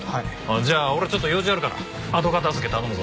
じゃあ俺ちょっと用事あるから後片付け頼むぞ。